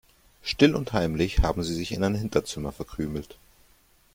Still und heimlich haben sie sich in ein Hinterzimmer verkrümelt.